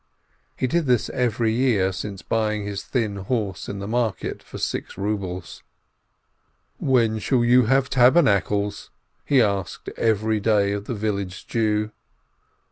He did this every year, since buying his thin horse in the market for six rubles. "When shall you have Tabernacles?" he asked every day of the village Jew.